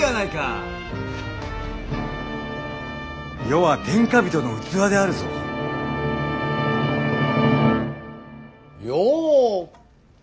余は天下人の器であるぞ。よ！